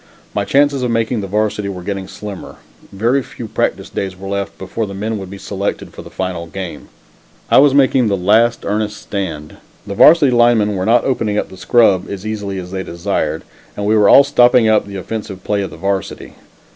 My chances of making the Varsity were getting slimmer. Very few practice days were left before the men would be selected for the final game. I was making the last earnest stand. The varsity line men were not opening up the scrub line as easily as they desired, and we were all stopping up the offensive play of the Varsity.